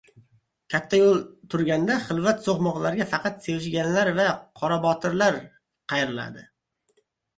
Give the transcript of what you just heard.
• Katta yo‘l turganda xilvat so‘qmoqlarga faqat sevishganlar va «qorabotir»lar qayriladi.